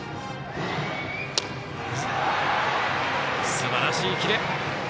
すばらしいキレ。